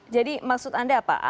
jadi maksud anda apa